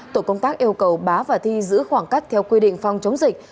tổ công tác yêu cầu bá và thi giữ khoảng cách theo quy định phòng chống dịch